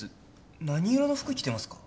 何色の服着てますか？